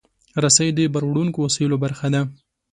رسۍ د باروړونکو وسایلو برخه ده.